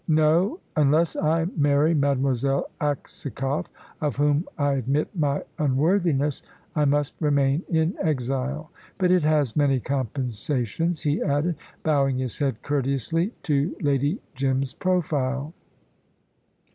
No; unless I marry Mademoiselle Aksakoff, of whom I admit my unworthiness, I must remain in exile but it has many compensations," he added, bowing his head courteously to Lady Jim's profile.